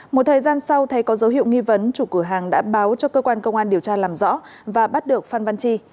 một thời gian sau thấy có dấu hiệu nghi vấn chủ cửa hàng đã báo cho cơ quan công an điều tra làm rõ và bắt được phan văn chi